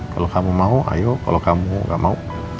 kalau kamu mau ayo kalau kamu nggak mau takut